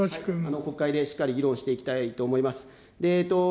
国会でしっかり議論していきたいと思います。